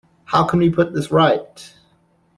How can we put this right?